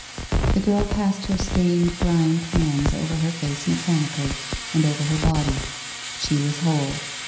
The girl passed her stained, grimed hands over her face mechanically, and over her body. She was whole.